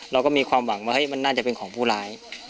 เราก็มีความหวังว่ามันน่าจะเป็นของผู้ร้าย